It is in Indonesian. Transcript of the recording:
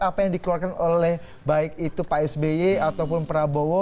apa yang dikeluarkan oleh baik itu pak sby ataupun prabowo